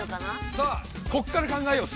さあこっから考えよう「す」を。